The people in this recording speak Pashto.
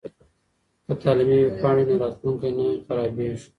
که تعلیمي ویبپاڼه وي نو راتلونکی نه خرابیږي.